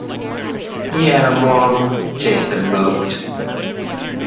"Yeah, Mom," Jason moped